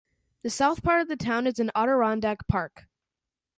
The south part of the town is in the Adirondack Park.